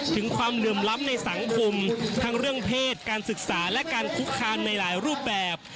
ความเหลื่อมล้ำในสังคมทั้งเรื่องเพศการศึกษาและการคุกคามในหลายรูปแบบ